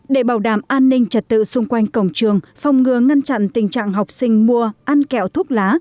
để bảo đảm an ninh trật tự xung quanh cổng trường phòng ngừa ngăn chặn tình trạng học sinh mua ăn kẹo thuốc lá